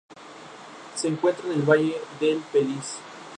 Se encuentra en el valle del Pellice.